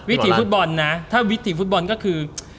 ถีฟุตบอลนะถ้าวิถีฟุตบอลก็คือ